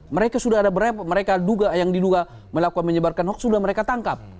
mereka sudah ada berapa mereka yang diduga melakukan menyebarkan hoax sudah mereka tangkap